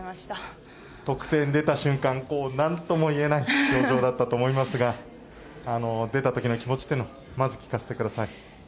得点が出た瞬間何とも言えない表情だったと思いますが出た時の気持ちというのをまず聞かせてください。